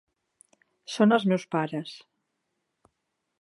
Són els meus pares.